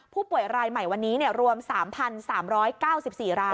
ผู้ป่วยรายใหม่วันนี้รวม๓๓๙๔ราย